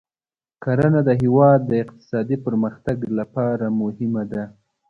کرنه د هېواد د اقتصادي پرمختګ لپاره مهمه ده.